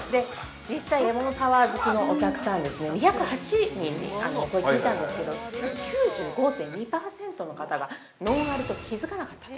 実際レモンサワー好きのお客さん２０８人にお声聞いたんですけどなんと９５．２％の方がノンアルと気づかなかったと。